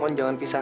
apa yang pada